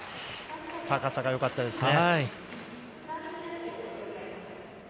高さがよかったですね。